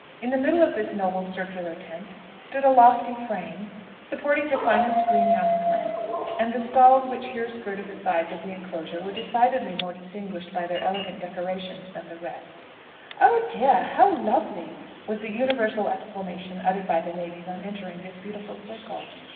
In the middle of this noble circular tent stood a lofty frame, supporting the finest greenhouse plants, and the stalls which here skirted the sides of the enclosure were decidedly more distinguished by their elegant decorations than the rest. "Oh dear! how lovely!" was the universal exclamation uttered by the ladies on entering this beautiful circle.